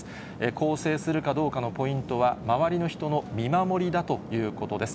更生するかどうかのポイントは、周りの人の見守りだということです。